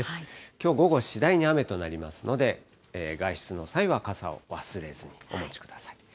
きょう午後、次第に雨となりますので、外出の際は傘を忘れずにお持ちください。